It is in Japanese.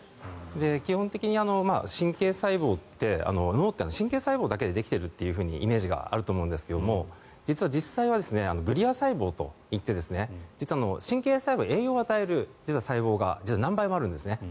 基本的に神経細胞って脳ってのは神経細胞だけでできているイメージがあると思うんですが実は実際はブリア細胞といって実は神経細胞に栄養を与える細胞があるんですね。